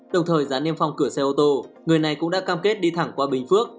đồng thời giá niêm phòng cửa xe ô tô người này cũng đã cam kết đi thẳng qua bình phước